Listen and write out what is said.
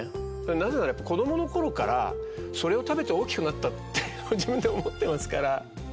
なぜなら子供の頃からそれを食べて大きくなったって自分で思ってますから。